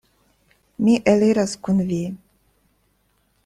Mi eliras kun vi.